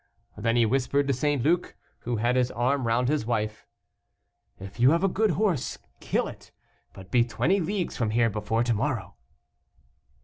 Then he whispered to St. Luc, who had his arm round his wife "If you have a good horse, kill it, but be twenty leagues from here before to morrow."